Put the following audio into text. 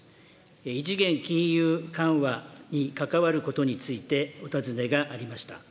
異次元金融緩和に関わることについてお尋ねがありました。